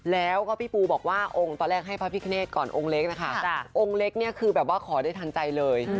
แล้วพี่ปูบอกว่าตอนแรกให้พระพิติเฆชก่อนโอ้งเล็กนะคะแต่โอ้งเล็กคือแบบว่าขอได้ทันใจเลย